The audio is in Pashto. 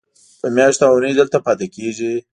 په میاشتو او اوونیو دلته پاتې کېږي.